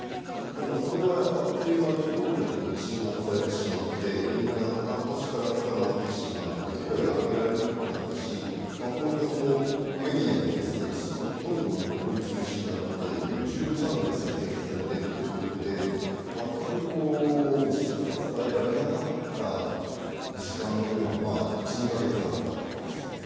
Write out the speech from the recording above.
でも、それはあっという間に当局に鎮圧されてしまってみんな片っ端から捕まってしまう、声が上げられにくくなったし、こういったメディアも一時期ほとんどみんな、お取り潰しになってＹｏｕＴｕｂｅチャンネルさえ閉鎖されてという状況で全く事実が伝えられなかった時間が１２カ月あったわけですよね。